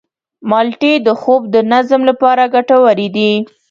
مالټې د خوب د نظم لپاره ګټورې دي.